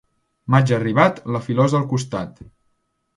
Maig arribat, la filosa al costat.